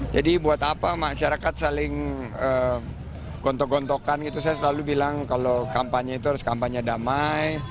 jadi buat apa masyarakat saling gontok gontokan gitu saya selalu bilang kalau kampanye itu harus kampanye damai